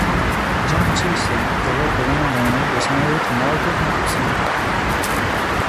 John Chiesley, the local landowner was married to Margaret Nicholson.